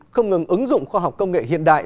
không ngừng ứng dụng khoa học công nghệ hiện đại